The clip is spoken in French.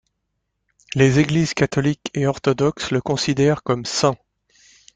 Les Églises catholique et orthodoxe le considèrent comme saint.